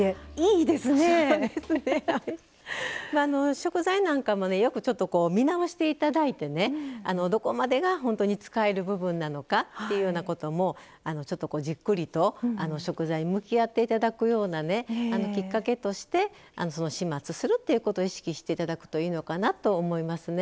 食材なんかも見直していただいてどこまでが本当に使える部分なのかっていうようなこともじっくりと食材向き合っていただくようなきっかけとして始末するということを意識していただくといいのかなと思いますね。